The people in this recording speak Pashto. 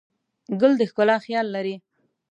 ګل د ښکلا خیال لري.